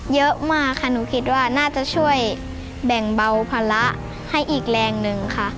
เยอะมากค่ะหนูคิดว่าน่าจะช่วยแบ่งเบาภาระให้อีกแรงหนึ่งค่ะ